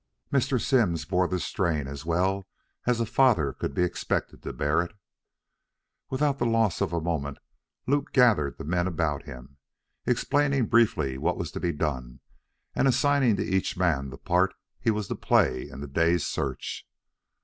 Mr. Simms bore the strain as well as a father could be expected to bear it. Without the loss of a moment Luke gathered the men about him, explaining briefly what was to be done and assigning to each man the part he was to play in the day's search.